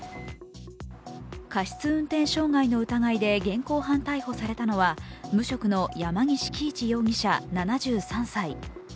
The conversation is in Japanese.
過失運転傷害の疑いで現行犯逮捕されたのは無職の山岸喜一容疑者７３歳。